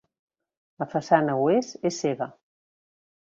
La façana Oest és cega.